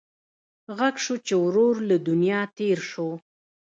غږ شو چې ورور له دنیا تېر شو.